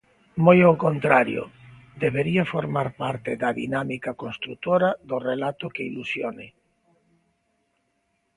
Moi ao contrario; debería formar parte da dinámica construtora do relato que ilusione.